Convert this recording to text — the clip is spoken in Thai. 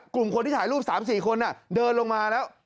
กลุ่มคนที่ถ่ายรูป๓๔คนเดินลงมาแล้ว